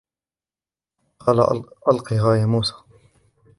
قال ألقها يا موسى